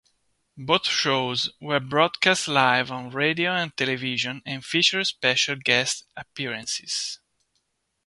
Both shows were broadcast live on radio and television and featured special guest-appearances.